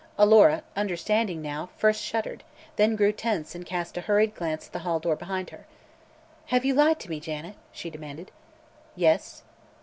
Alora, understanding now, first shuddered, then grew tense and cast a hurried glance at the hall door behind her. "Have you lied to me, Janet?" she demanded. "Yes."